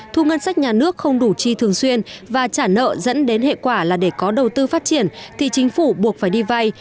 thu ngân sách nhà nước không đủ chi thường xuyên và trả nợ dẫn đến hệ quả là để có đầu tư phát triển thì chính phủ buộc phải đi vay